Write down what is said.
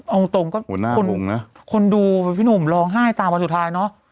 เอาตรงคนดูพี่หนุ่มร้องไห้ตามวันสุดท้ายเนอะ